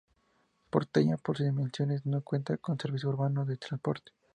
Porteña, por sus dimensiones, no cuenta con servicio urbano de transporte.